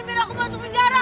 bila aku masuk penjara